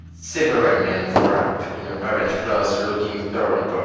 Several men wrapped in orange cloth looking towards boats.